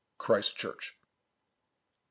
Christ Church.